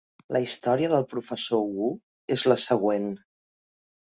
La història del professor Wu és la següent.